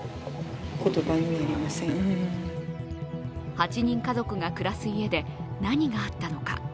８人家族が暮らす家で何があったのか。